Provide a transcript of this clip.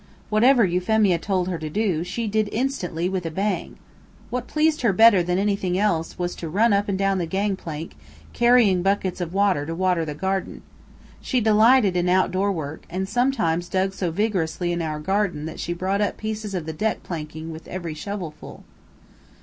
Whatever Euphemia told her to do, she did instantly with a bang. What pleased her better than anything else was to run up and down the gang plank, carrying buckets of water to water the garden. She delighted in out door work, and sometimes dug so vigorously in our garden that she brought up pieces of the deck planking with every shovelful.